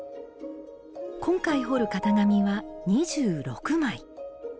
今回彫る型紙は２６枚。